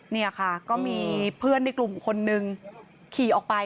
นี่ค่ะก็มีเพื่อนในกลุ่มคนนึงขี่ออกไป